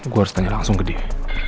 gue harus tanya langsung ke dia